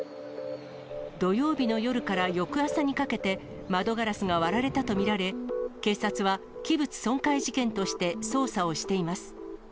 土曜日の夜から翌朝にかけて、窓ガラスが割られたと見られ、警察は器物損壊事件として捜査をしています。